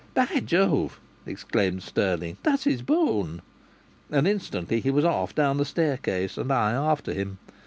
"By Jove!" exclaimed Stirling. "That's his bone!" And instantly he was off down the staircase and I after him.